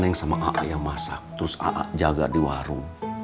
neng sama a'a yang masak terus a'a jaga di warung